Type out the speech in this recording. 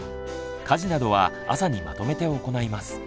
家事などは朝にまとめて行います。